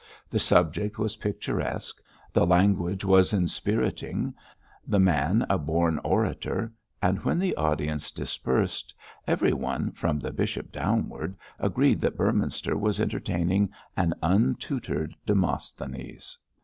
The subject was picturesque, the language was inspiriting, the man a born orator, and, when the audience dispersed, everyone, from the bishop downward, agreed that Beorminster was entertaining an untutored Demosthenes.